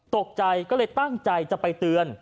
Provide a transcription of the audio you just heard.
ตกใจก็เลยตั้งใจจะไปเตือน